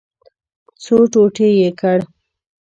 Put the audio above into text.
څو ټوټې یې کړ.